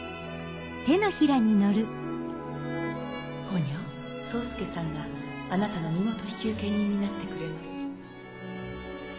ポニョ宗介さんがあなたの身元引受人になってくれます。